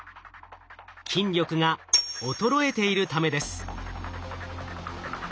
筋力が衰えているためです。